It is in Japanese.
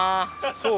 そう。